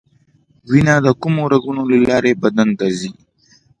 وینه د کومو رګونو له لارې بدن ته ځي